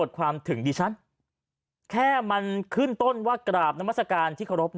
เท่านั้นแหละครับแพรรี่พายวัน